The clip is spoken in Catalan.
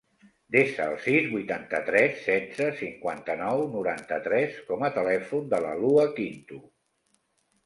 Desa el sis, vuitanta-tres, setze, cinquanta-nou, noranta-tres com a telèfon de la Lua Quinto.